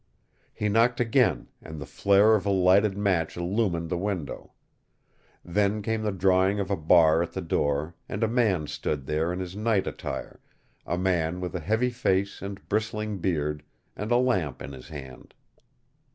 He knocked again and the flare of a lighted match illumined the window. Then came the drawing of a bar at the door and a man stood there in his night attire, a man with a heavy face and bristling beard, and a lamp in his hand.